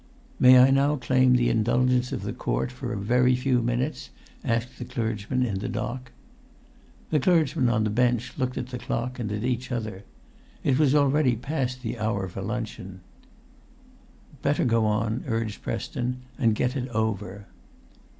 "May I now claim the indulgence of the court for a very few minutes?" asked the clergyman in the dock. The clergymen on the bench looked at the clock and at each other. It was already past the hour for luncheon. "Better go on," urged Preston, "and get it over."